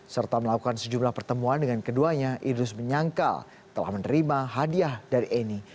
serta melakukan sejumlah pertemuan dengan keduanya idrus menyangkal telah menerima hadiah dari eni